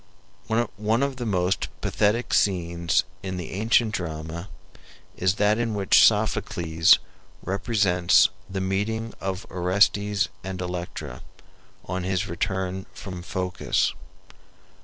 One of the most pathetic scenes in the ancient drama is that in which Sophocles represents the meeting of Orestes and Electra, on his return from Phocis.